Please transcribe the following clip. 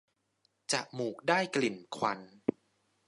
จมูกได้กลิ่นควัน